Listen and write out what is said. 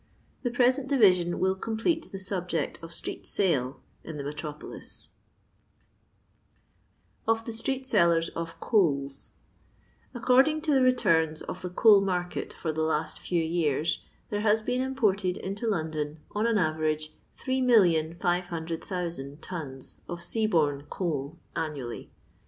The present division will complete the subject of Street Sale in the metropolis. Or THi Stbhi Sellsbs or Coals. AcfCOBDiHo to the returns of the coal market for the last few years, there has been imported into London, on an average, 3,500,000 tons of sea borne coal annually.